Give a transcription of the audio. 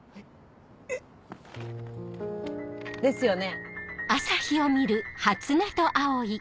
えっ！ですよね？